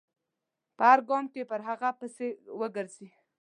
په هر ګام کې پر هغه پسې و ګرځي.